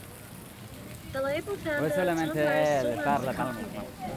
The label founder Tom Rose still runs the company.